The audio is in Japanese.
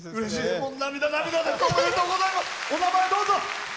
お名前、どうぞ。